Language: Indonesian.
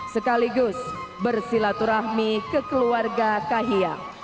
sekaligus bersilaturahmi ke keluarga kahiyang